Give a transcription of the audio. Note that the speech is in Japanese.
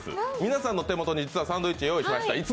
皆さんの手元にサンドイッチをご用意しました。